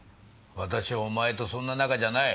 私はお前とそんな仲じゃない。